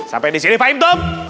sampai di sini fahim dong